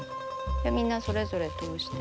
みんなそれぞれ通して。